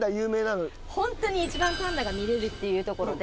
ホントに一番パンダが見れるっていうところで。